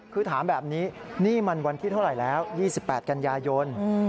คือถามแบบนี้นี่มันวันที่เท่าไหร่แล้ว๒๘กันยายน